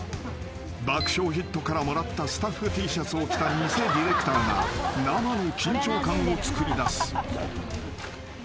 ［『爆笑ヒット』からもらったスタッフＴシャツを着た偽ディレクターが生の緊張感をつくりだす］